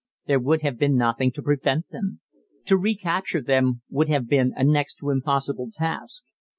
There would have been nothing to prevent them. To recapture them would have been a next to impossible task.